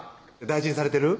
大事にされてる？